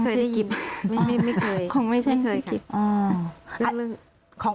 คงไม่ใช่ชื่อกิฟต์ค่ะ